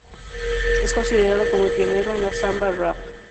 Es considerado como el pionero en la samba-rap.